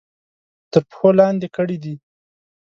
تر پښو لاندې کړي دي.